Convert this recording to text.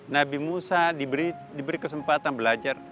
nabi musa diberi kesempatan belajar